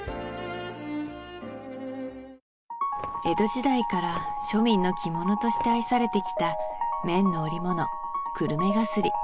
江戸時代から庶民の着物として愛されてきた綿の織物